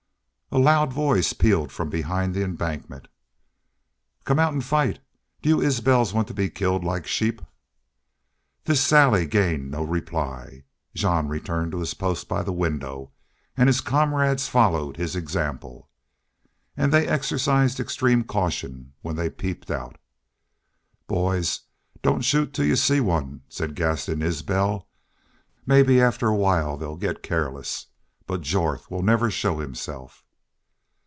A loud voice pealed from behind the embankment. "Come out an' fight! Do you Isbels want to be killed like sheep?" This sally gained no reply. Jean returned to his post by the window and his comrades followed his example. And they exercised extreme caution when they peeped out. "Boys, don't shoot till you see one," said Gaston Isbel. "Maybe after a while they'll get careless. But Jorth will never show himself."